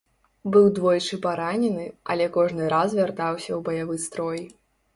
Быў двойчы паранены, але кожны раз вяртаўся ў баявы строй.